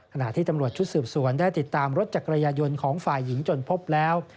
ขณะที่ตำรวจชุดสืบสวนได้ติดตามรถจักรยายนต์ของฝ่ายหญิงจนพบแล้ว